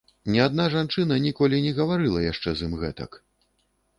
Ні адна жанчына ніколі не гаварыла яшчэ з ім гэтак.